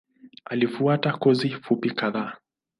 Alifuata kozi fupi kadhaa.